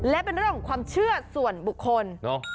และเป็นเรื่องของความเชื่อส่วนบุคคล